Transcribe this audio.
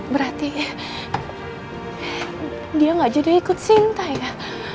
berarti dia gak jadi ikut sinta ya